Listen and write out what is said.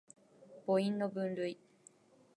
母音の分類